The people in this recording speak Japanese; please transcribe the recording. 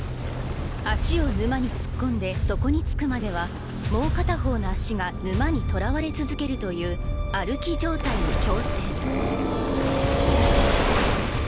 足を沼に突っ込んで底に着くまではもう片方の足が沼にとらわれ続けるという歩き状態の強制グオォー！